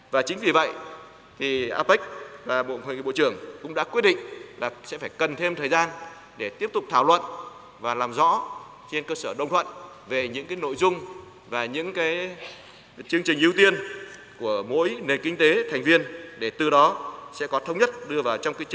và chính vì vậy thì apec và bộ hội nghị bộ trưởng cũng đã quyết định là sẽ phải cần thêm thời gian để tiếp tục thảo luận và làm rõ trên cơ sở đồng thuận về những nội dung và những chương trình ưu tiên của mỗi nền kinh tế thành viên để từ đó sẽ có thống nhất đưa vào trong cơ chế